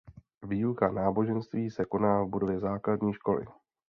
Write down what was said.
Výuka náboženství se koná v budově základní školy.